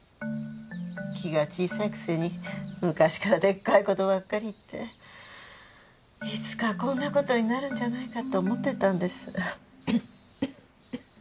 気が小さいくせに昔からでっかいことばっかり言っていつかこんなことになるんじゃないかと思ってたんです。